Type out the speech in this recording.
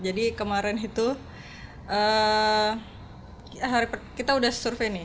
kemarin itu kita sudah survei nih